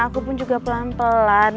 aku pun juga pelan pelan